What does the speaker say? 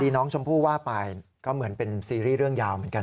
น้องชมพู่ว่าไปก็เหมือนเป็นซีรีส์เรื่องยาวเหมือนกัน